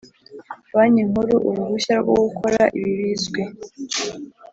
Banki Nkuru uruhushya rwo gukora ibi bizwi